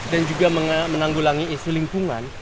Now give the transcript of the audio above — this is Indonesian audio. dan juga menanggulangi isu lingkungan